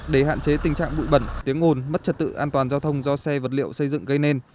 để hạn chế tình trạng bụi bẩn tiếng ồn mất trật tự an toàn giao thông do xe vật liệu xây dựng gây nên